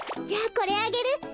じゃあこれあげる。